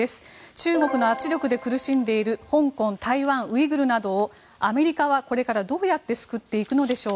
中国の圧力で苦しんでいる香港、台湾、ウイグルなどをアメリカはこれからどうやって救っていくのでしょう。